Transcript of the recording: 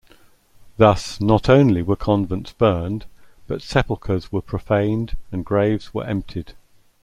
Thus not only were convents burned, but sepulchers were profaned and graves were emptied.